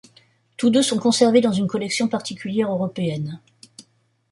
Tous deux sont conservés dans une collection particulière européenne.